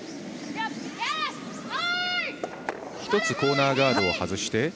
１つコーナーガードを外して。